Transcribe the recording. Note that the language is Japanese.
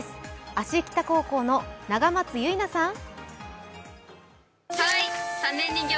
芦北高校の永松優奈さん！